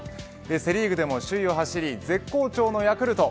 セ・リーグでも首位を走り絶好調のヤクルト。